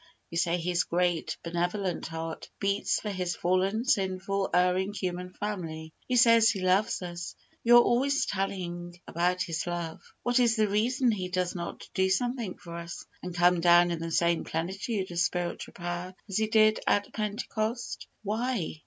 You say His great, benevolent heart beats for His fallen, sinful, erring human family. You say He loves us. You are always telling about His love. What is the reason He does not do something for us, and come down in the same plentitude of spiritual power as He did at Pentecost? Why?